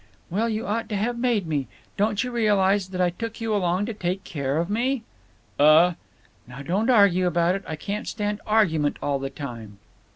"Well, you ought to have made me. Don't you realize that I took you along to take care of me?" "Uh—" "Now don't argue about it. I can't stand argument all the time."